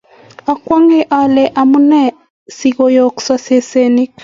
akwonge ale amunee sikuyooksei sesenik.